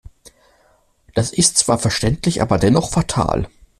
Das ist zwar verständlich, aber dennoch fatal.